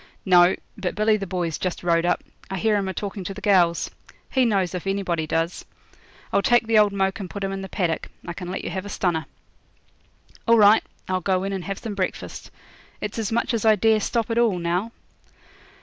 'No; but Billy the Boy's just rode up. I hear him a talkin' to the gals. He knows if anybody does. I'll take the old moke and put him in the paddock. I can let you have a stunner.' 'All right; I'll go in and have some breakfast. It's as much as I dare stop at all now.'